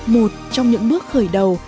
một trong những bước khởi đầu